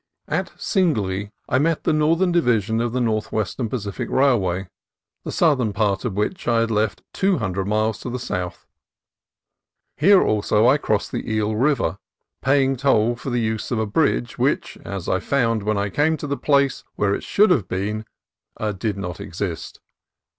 At Singley I met the northern division of the Northwestern Pacific Railway, the southern part of which I had left two hundred miles to the south. Here also I crossed the Eel River, paying toll for the use of a bridge which, as I found when I came to the place where it should have been, did not exist.